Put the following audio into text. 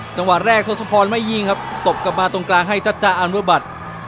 จังหวะแรกทศพรไม่ยิงครับตบกลับมาตรงกลางให้จั๊จ๊ะอนุบัติ